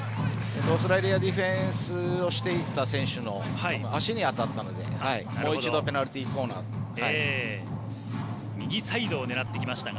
オーストラリアディフェンスをしていた選手の足に当たったのでもう一度ペナルティーコーナーです。